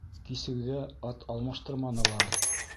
Кисеүҙә ат алмаштырманылар